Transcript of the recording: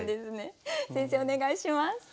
先生お願いします。